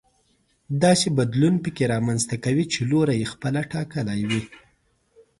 داسې بدلون پکې رامنځته کوي چې لوری يې خپله ټاکلی وي.